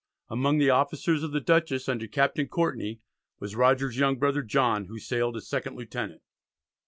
Among the officers of the Dutchess under Captain Courtney, was Rogers's young brother, John, who sailed as second lieutenant.